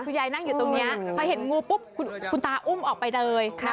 ยายนั่งอยู่ตรงนี้พอเห็นงูปุ๊บคุณตาอุ้มออกไปเลย